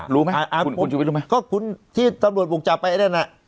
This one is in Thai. รู้ไหมอ่าคุณคุณจริงฟินรู้ไหมเพราะคุณที่สำดวจปกติไปไอ้เด้นนี่น่ะ